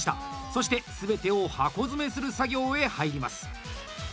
そして、全てを箱詰めする作業へ入ります。